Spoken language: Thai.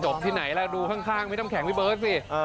จบที่ไหนละดูข้างวิท่านแข่งวิเบิร์ตสิ